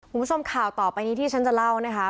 คุณผู้ชมข่าวต่อไปนี้ที่ฉันจะเล่านะคะ